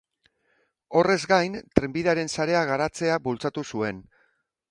Horrez gain, trenbidearen sarea garatzea bultzatu zuen.